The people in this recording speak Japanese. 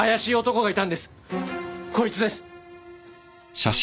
こいつです！